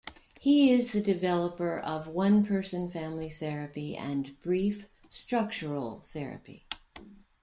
He is the developer of One-Person Family Therapy and Brief Structural Therapy.